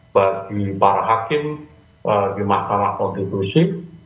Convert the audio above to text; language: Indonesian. bagi para hakim di mahkamah konstitusi